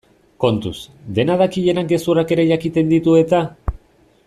Kontuz, dena dakienak gezurrak ere jakiten ditu eta?